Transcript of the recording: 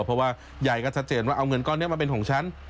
เพราะว่ายายก็ชัดเจนว่าเอาเงินก้อนนี้มาเป็นของฉัน